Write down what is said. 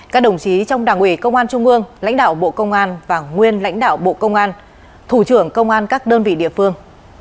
các đồng chí trong đảng ủy công an trung ương lãnh đạo bộ công an và nguyên lãnh đạo bộ công an thủ trưởng công an các đơn vị địa phương